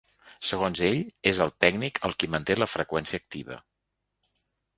Segons ell, és el tècnic el qui manté la freqüència activa.